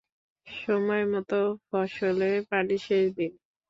সময়মত ফসলে পানি সেচ দিন।